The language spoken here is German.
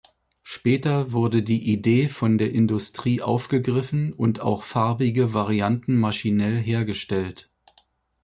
Später wurde die Idee von der Industrie aufgegriffen und auch farbige Varianten maschinell hergestellt.